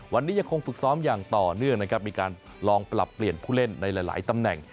วันนี้ยังคงฝึกซ้อมอย่างต่อเนื่องนะครับมีการลองปรับเปลี่ยนผู้เล่นในหลายตำแหน่ง